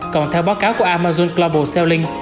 còn theo báo cáo của amazon global selling